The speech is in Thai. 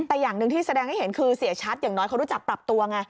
แต่อย่างหนึ่งที่แสดงให้เห็นคือเสียชัดอย่างน้อยเขารู้จักปรับตัวไง